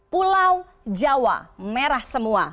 pulau jawa merah semua